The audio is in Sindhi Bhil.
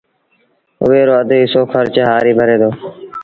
اُئي رو اڌ هسو کرچ هآريٚ ڀري دو